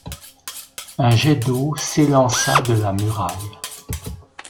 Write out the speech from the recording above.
Un jet d’eau s’élença de la muraille.